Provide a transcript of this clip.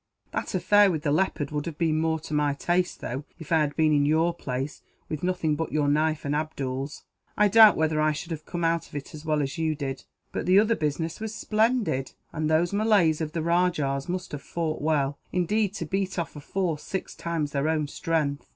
That affair with the leopard would have been more to my taste; though, if I had been in your place, with nothing but your knife and Abdool's, I doubt whether I should have come out of it as well as you did; but the other business was splendid, and those Malays of the rajah's must have fought well, indeed, to beat off a force six times their own strength."